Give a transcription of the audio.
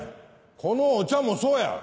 このお茶もそうや！